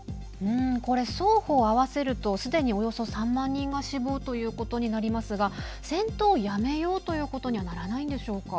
これ双方合わせるとすでに、およそ３万人が死亡ということになりますが戦闘をやめようということにはならないんでしょうか。